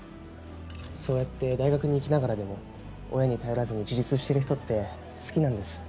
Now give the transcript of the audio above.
そうやって大学に行きながらでも親に頼らずに自立してる人って好きなんです。